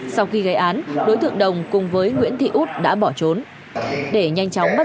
sau khi gây án đối tượng đồng cùng với nguyễn thị út đã bỏ trốn